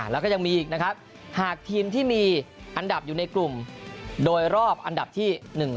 แล้วก็ยังมีอีกนะครับหากทีมที่มีอันดับอยู่ในกลุ่มโดยรอบอันดับที่๑๐